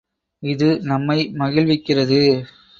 இது நம்மை மகிழ்விக்கிறது.